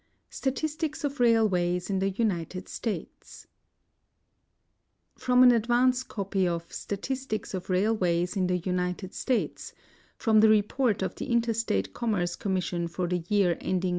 J. H. STATISTICS OF RAILWAYS IN THE UNITED STATES From an advance copy of Statiitiics of Railwai/s in the United States, fi'oin the report of the Interstate Commerce Commission for the year ending